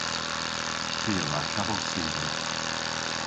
Ty a wra kavos cider.